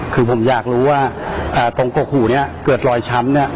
คือผมอยากรู้ว่าตรงกกหูเนี่ยเกิดรอยช้ำเนี่ย